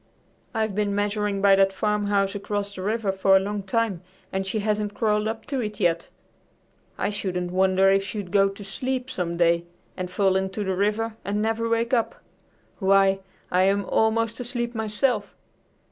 I've been measuring by that farmhouse across the river for a long time, and she hasn't crawled up to it yet! I shouldn't wonder if she'd go to sleep some day and fall into the river and never wake up! Why, I am almost asleep myself."